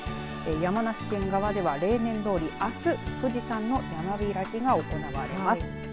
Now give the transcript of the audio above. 山梨県側では例年どおり、あす富士山の山開きが行われます。